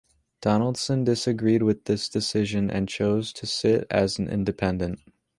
Donaldson disagreed with this decision, and chose to sit as an independent.